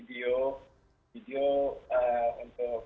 jadi kalau kami rekamin mungkin kemarin ini membuat sebuah video